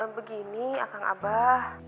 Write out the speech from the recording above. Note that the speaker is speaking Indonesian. begini akang abah